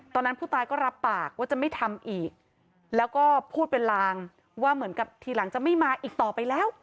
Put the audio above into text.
ตอนนั้นผู้ตายก็รับปากว่าจะไม่ทำอีกแล้วก็พูดเป็นลางว่าเหมือนกับทีหลังจะไม่มาอีกต่อไปแล้ว